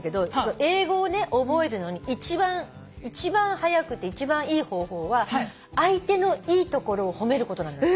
英語をね覚えるのに一番早くて一番いい方法は相手のいい所を褒めることなんだって。